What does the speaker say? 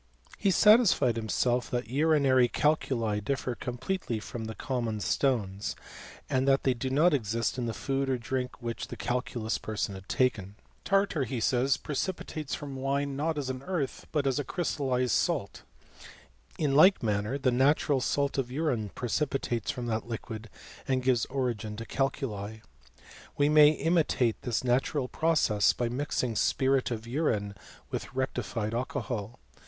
He satisfied himself that urinary calculi differ completely from common stones, and that they do not exist in the food or drink which the calculous person had taken. Tartar, he says, preci Etates from wine, not as an earth, but as a crystal Jed salt. In like manner, the natural salt of urine precipitates from that liquid, and gives origin to cal cSL We may imitate this natural process by mixing spirit of urine with rectified alcohol.